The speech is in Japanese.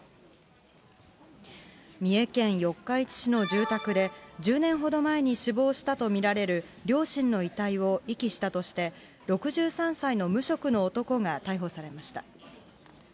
三重県四日市市の住宅で、１０年ほど前に死亡したと見られる両親の遺体を遺棄したとして、６３歳の無職の男が逮捕されました。